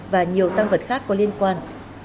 và nhiều tăng vật khác có liên quan